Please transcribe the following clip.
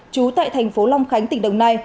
trú tại thành phố long khánh tỉnh đồng nai